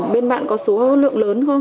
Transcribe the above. bên bạn có số lượng lớn không